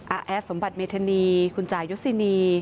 แอดสมบัติเมธานีคุณจ่ายุสินี